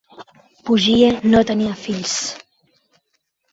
Pujie no tenia fills.